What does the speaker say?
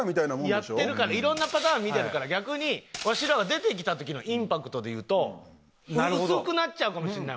やってるからいろんなパターン見てるから逆にわしらが出てきた時のインパクトでいうと薄くなっちゃうかもしれないもんな。